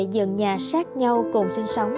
dựng nhà sát nhau cùng sinh sống